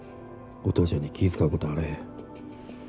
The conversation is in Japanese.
お父ちゃんに気ぃ遣うことあれへん。